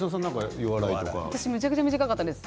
私めちゃくちゃ短かったです。